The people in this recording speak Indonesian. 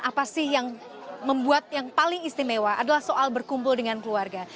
apa sih yang membuat yang paling istimewa adalah soal berkumpul dengan keluarga